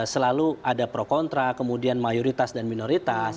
selalu ada pro kontra kemudian mayoritas dan minoritas